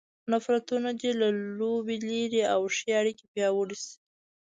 نفرتونه دې له لوبې لیرې او ښې اړیکې پیاوړې شي.